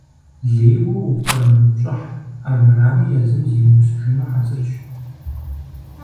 Лейуэ упкърымыупщӏыхь, армырами езым зиумысыжыну хьэзырщ.